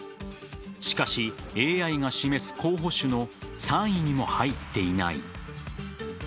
しかし、ＡＩが示す候補手の３位にも入っていない。